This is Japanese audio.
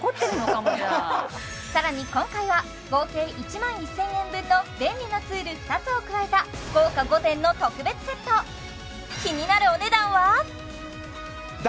じゃあ更に今回は合計１万１０００円分の便利なツール２つを加えた豪華５点の特別セット気になるお値段は？